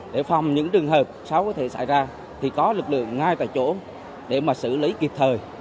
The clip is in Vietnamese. để phòng những trường hợp sáu có thể xảy ra thì có lực lượng ngay tại chỗ để mà xử lý kịp thời